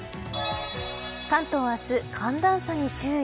関東明日、寒暖差に注意。